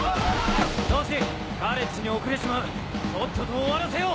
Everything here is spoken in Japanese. トシカレッジに遅れちまうとっとと終わらせよう！